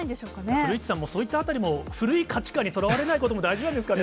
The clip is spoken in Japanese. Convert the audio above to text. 古市さんも、そういったあたりも、古い価値観にとらわれないことも大事なんですかね。